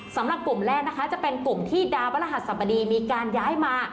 สำหรับกลุ่มแรกนะคะจะเป็นกลุ่มที่ดาวพระรหัสสบดีมีการย้ายมา